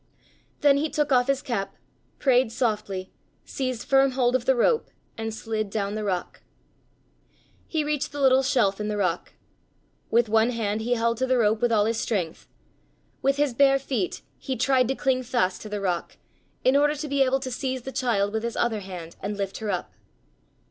Then he took off his cap, prayed softly, seized firm hold of the rope, and slid down the rock. He reached the little shelf in the rock. With one hand he held to the rope with all his strength, with his bare feet he tried to cling fast to the rock, in order to be able to seize the child with his other hand and lift her up.